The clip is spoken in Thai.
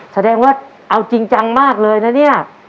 แสดงว่าเอาจริงจังมากเลยนะเนี่ย